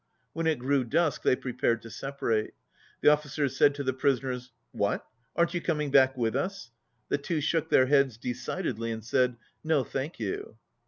When it grew dusk they prepared to separate. The officers said to the prisoners, "What^ Aren't you coming back with us?" The two shook their heads decidedly, and said, "No, thank you."